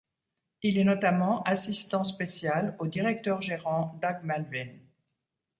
Il est notamment assistant spécial au directeur-gérant Doug Melvin.